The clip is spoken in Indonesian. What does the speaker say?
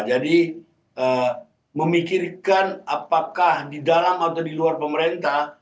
jadi memikirkan apakah di dalam atau di luar pemerintah